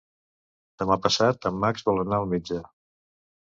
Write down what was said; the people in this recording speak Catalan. Demà passat en Max vol anar al metge.